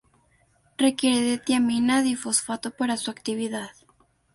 Requiere de tiamina difosfato para su actividad.